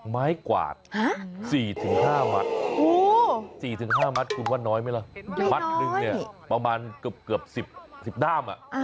ไม้กวาด๔๕มัด๔๕มัดคุณว่าน้อยไหมล่ะมัดหนึ่งเนี่ยประมาณเกือบ๑๐ด้าม